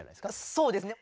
そうですね。